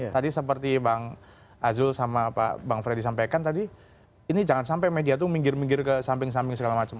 tadi seperti bang azul sama pak bang freddy sampaikan tadi ini jangan sampai media itu minggir minggir ke samping samping segala macam